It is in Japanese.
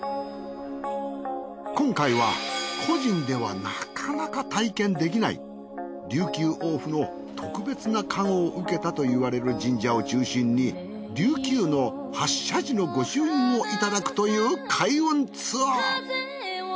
今回は個人ではなかなか体験できない琉球王府の特別な加護を受けたといわれる神社を中心に琉球の８社寺の御朱印をいただくという開運ツアー。